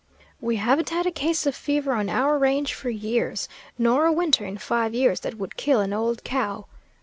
We haven't had a case of fever on our range for years, nor a winter in five years that would kill an old cow.